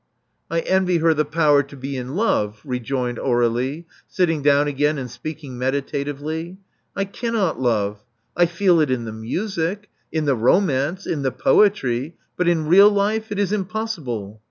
'*! envy her the power to be in love," rejoined Aur^lie, sitting down again, and speaking meditatively. *'I cannot love. I can feel it in the music — in the romance — in the poetry; but in real life — it is impossible.